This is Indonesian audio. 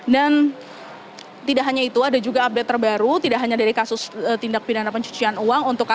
dan tidak hanya itu ada juga update terbaru tidak hanya dari kasus tindak pidana pencucian uang